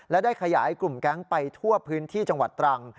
และได้ขยายกลุ่มแก๊งไปทั่วพื้นที่จังหวัดตรัง